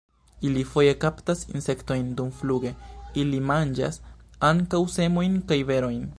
Ili foje kaptas insektojn dumfluge; ili manĝas ankaŭ semojn kaj berojn.